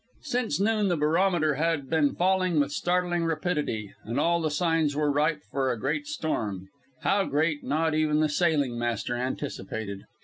Since noon the barometer had been falling with startling rapidity, and all the signs were ripe for a great storm how great, not even the sailing master anticipated.